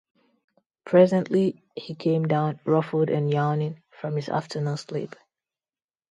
Presently he came down, ruffled and yawning, from his afternoon sleep.